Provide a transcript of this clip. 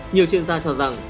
nhiều chuyên gia cho rằng